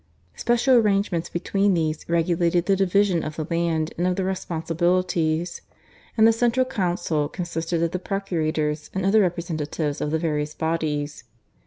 Special arrangements between these regulated the division of the land and of the responsibilities; and the Central Council consisted of the Procurators and other representatives of the various bodies.